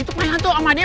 itu kenaan tuh sama dia